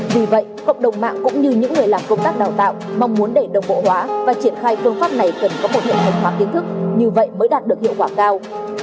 vì vậy cộng đồng mạng cũng như những người làm công tác đào tạo mong muốn để đồng bộ hóa và triển khai phương pháp này cần có một hiện thực hóa kiến thức như vậy mới đạt được hiệu quả cao